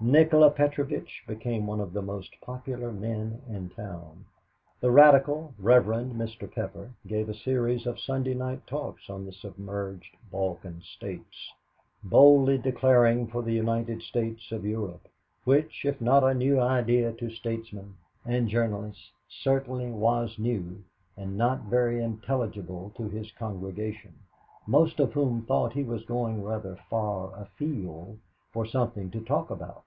Nikola Petrovitch became one of the most popular men in town. The radical Rev. Mr. Pepper gave a series of Sunday night talks on the submerged Balkan States, boldly declaring for a United States of Europe, which, if not a new idea to statesmen and journalists, certainly was new, and not very intelligible to his congregation, most of whom thought he was going rather far afield for something to talk about.